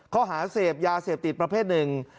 ข้อหาเสพยาเสพติดประเภทหนึ่ง